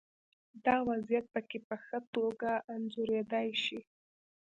دا وضعیت پکې په ښه توګه انځورېدای شي.